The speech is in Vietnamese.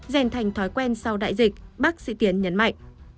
dành thành thói quen sau đại dịch bác sĩ tiến nhấn mạnh